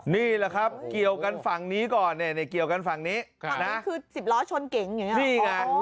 นี่แหละครับเกี่ยวกันฝั่งนี้ก่อนเนี่ยเกี่ยวกันฝั่งนี้ฝั่งนี้คือสิบล้อชนเก๋งอย่างนี้นี่ไง